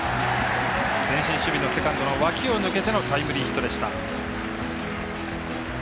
前進守備のセカンドの脇を抜けてタイムリーヒットでした。